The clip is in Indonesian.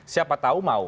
siapa tahu mau